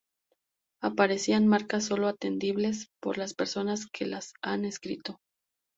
aparecían marcas sólo entendibles por la persona que las ha escrito